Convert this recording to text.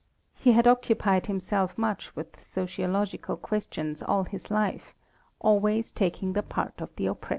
He had occupied himself much with sociological questions all his life, always taking the part of the oppressed.